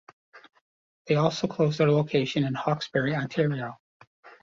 They also closed their location in Hawkesbury, Ontario.